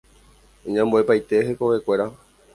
Iñambuepaite hekovekuéra.